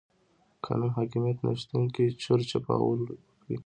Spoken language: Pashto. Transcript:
قانون حاکميت نشتون کې چور چپاول وکړي.